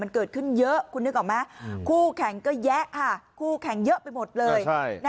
มันเกิดขึ้นเยอะคุณนึกออกไหมคู่แข่งก็แยะค่ะคู่แข่งเยอะไปหมดเลย